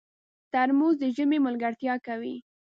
ترموز د ژمي ملګرتیا کوي.